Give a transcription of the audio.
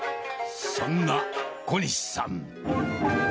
そんな小西さん。